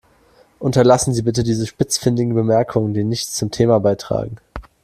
Unterlassen Sie bitte diese spitzfindigen Bemerkungen, die nichts zum Thema beitragen.